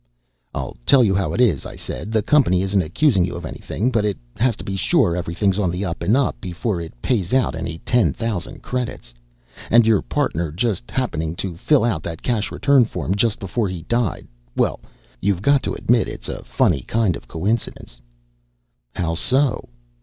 "I'll tell you how it is," I said. "The company isn't accusing you of anything, but it has to be sure everything's on the up and up before it pays out any ten thousand credits. And your partner just happening to fill out that cash return form just before he died well, you've got to admit it is a funny kind of coincidence." "How so?"